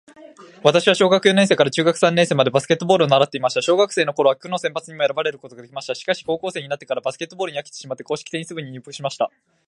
私は小学四年生から中学三年生までバスケットボールを習っていました。小学生の時は区の選抜にも選ばれることができました。しかし、高校生になってからバスケットボールに飽きてしまって硬式テニス部に入部しました。